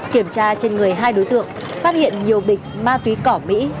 kiểm tra trên người hai đối tượng phát hiện nhiều bịch ma túy cỏ mỹ